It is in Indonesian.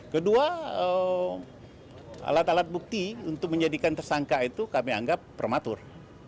kedua alat alat bukti untuk menjadikan tersangka itu kami anggap prematur